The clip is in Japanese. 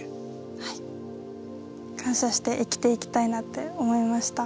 はい。感謝して生きていきたいなって思いました。